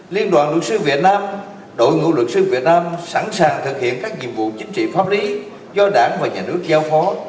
liên đoàn luật sư việt nam đội ngũ luật sư việt nam sẵn sàng thực hiện các nhiệm vụ chính trị pháp lý do đảng và nhà nước giao phó